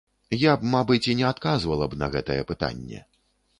Я б, мабыць, не адказвала б на гэтае пытанне.